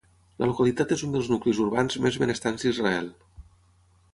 La localitat és un dels nuclis urbans més benestants d'Israel.